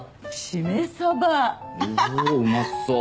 うまそう。